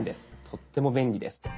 とっても便利です。